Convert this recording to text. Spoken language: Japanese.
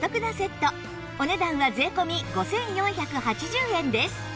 お値段は税込５４８０円です